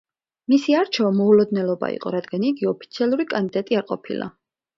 მისი არჩევა მოულოდნელობა იყო, რადგან იგი ოფიციალური კანდიდატი არ ყოფილა.